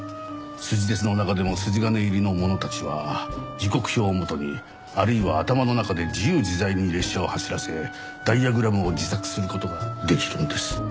スジ鉄の中でも筋金入りの者たちは時刻表をもとにあるいは頭の中で自由自在に列車を走らせダイヤグラムを自作する事ができるんです。